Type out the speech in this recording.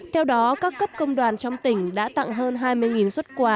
theo đó các cấp công đoàn trong tỉnh đã tặng hơn hai mươi xuất quà